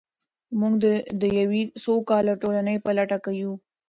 موږ د یوې سوکاله ټولنې په لټه کې یو.